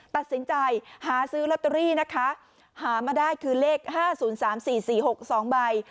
ตัดสินใจหาซื้อลอตเตอรี่นะคะหามาได้คือเลข๕๐๓๔๔๖๒ใบ